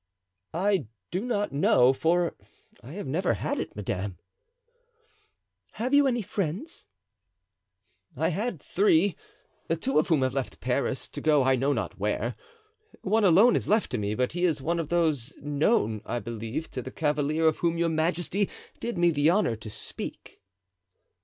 "I do not know, for I have never had it, madame." "Have you any friends?" "I had three, two of whom have left Paris, to go I know not where. One alone is left to me, but he is one of those known, I believe, to the cavalier of whom your majesty did me the honor to speak."